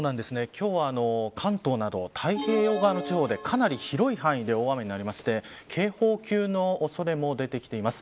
今日は、関東など太平洋側の地方でかなり広い範囲で大雨になって警報級の恐れも出てきています。